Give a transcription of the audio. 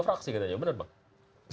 sekarang tinggal dua fraksi katanya benar bang